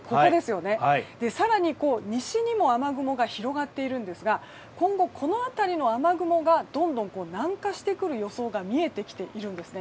西にも雨雲が広がっているんですが今後、この辺りの雨雲がどんどん南下してくる予想が見えてきています。